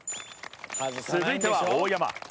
続いては大山。